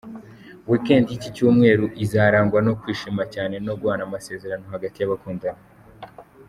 Weekend y’iki cyumweru, izarangwa no kwishima cyane no guhana amasezerano hagati y’abakundana.